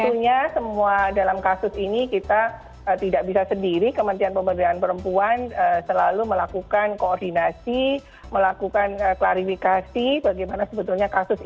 tentunya semua dalam kasus ini kita tidak bisa sendiri kementerian pemberdayaan perempuan selalu melakukan koordinasi melakukan klarifikasi bagaimana sebetulnya kasus ini